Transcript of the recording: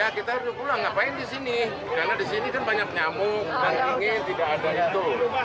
ya kita udah pulang ngapain di sini karena di sini kan banyak nyamuk dan ini tidak ada itu